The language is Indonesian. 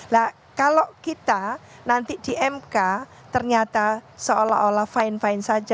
nah kalau kita nanti di mk ternyata seolah olah fine fine saja